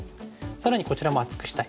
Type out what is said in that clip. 更にこちらも厚くしたい。